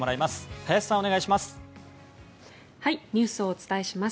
林さん、お願いします。